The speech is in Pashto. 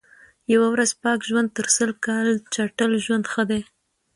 یوه ورځ پاک ژوند تر سل کال چټل ژوند ښه دئ.